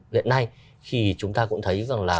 hiện nay thì chúng ta cũng thấy rằng là